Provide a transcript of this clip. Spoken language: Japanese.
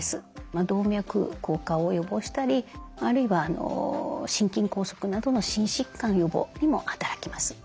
動脈硬化を予防したりあるいは心筋梗塞などの心疾患予防にも働きます。